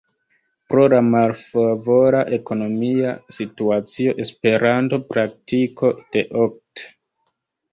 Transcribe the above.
Pro la malfavora ekonomia situacio "Esperanto-Praktiko" de okt.